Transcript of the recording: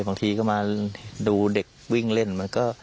บางทีก็มาดูเด็กวิ่งเล่นมันก็